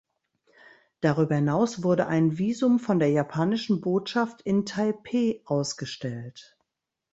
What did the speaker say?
Darüber hinaus wurde ein Visum von der japanischen Botschaft in Taipeh ausgestellt.